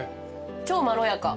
超まろやか。